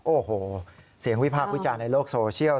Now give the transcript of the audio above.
โอ้โหเสียงวิพากษ์วิจารณ์ในโลกโซเชียล